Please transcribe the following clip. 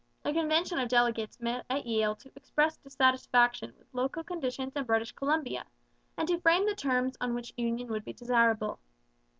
A convention of delegates met at Yale to express dissatisfaction with local conditions in British Columbia and to frame the terms on which union would be desirable.